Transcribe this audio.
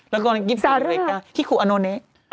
แล้วก็กิฟต์เล็กทิกขุอโนเนก